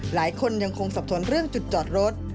หลายคนยังคงสับสนเรื่องจุดจอดรถ